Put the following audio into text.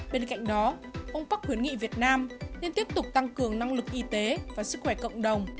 bên cạnh đó ông park khuyến nghị việt nam nên tiếp tục tăng cường năng lực y tế và sức khỏe cộng đồng